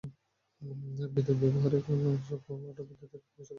বিদ্যুৎ ব্যবহার এ থানার সবক’টি ওয়ার্ড বিদ্যুতায়ন কর্মসূচির আওতাধীন।